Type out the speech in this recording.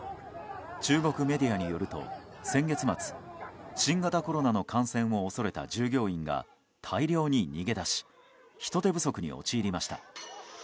中国メディアによると先月末新型コロナの感染を恐れた従業員が大量に逃げ出し人手不足に陥りました。